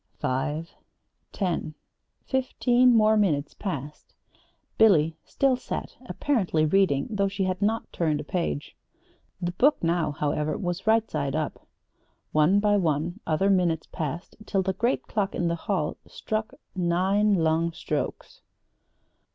Five, ten, fifteen more minutes passed. Billy still sat, apparently reading, though she had not turned a page. The book now, however, was right side up. One by one other minutes passed till the great clock in the hall struck nine long strokes.